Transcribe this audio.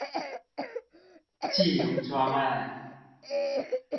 既有專案